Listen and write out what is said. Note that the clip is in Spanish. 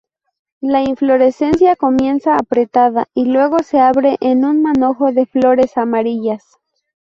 La inflorescencia comienza apretada y luego se abre en un manojo de flores amarillas.